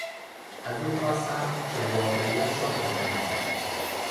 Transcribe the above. از او خواستند که واقعیت را اذعان کند.